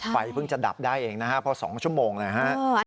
ไฟเพิ่งจะดับได้เองนะฮะเพราะ๒ชั่วโมงนะฮะ